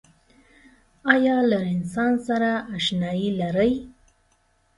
آیا له رنسانس سره اشنایې لرئ؟